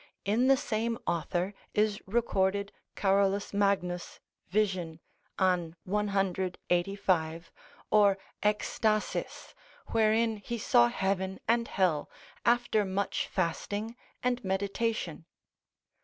In the same author is recorded Carolus Magnus vision an. 185. or ecstasies, wherein he saw heaven and hell after much fasting and meditation.